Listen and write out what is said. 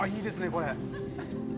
これ。